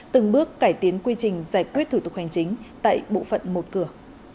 từng bước cải tiến quy trình giải quyết thủ tục hành chính tại bộ phận một cửa